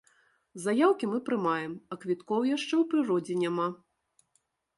Заяўкі мы прымаем, а квіткоў яшчэ ў прыродзе няма.